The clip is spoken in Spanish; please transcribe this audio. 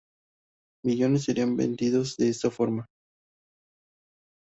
Millones serían vendidos en esta forma.